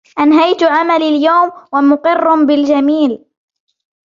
انهيت عملي اليوم ،و مقر بالجميل.